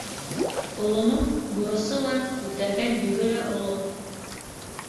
Олоноң бурысы ла, күтәргән йөгө лә оло.